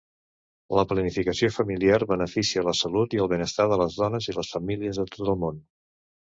La planificació familiar beneficia la salut i el benestar de les dones i les famílies de tot el món.